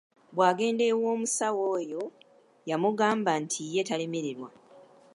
Bwagenda ew’omusawo oyo yamugamba nti ye talemererwa.